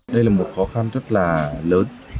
đây là một khó khăn rất là lớn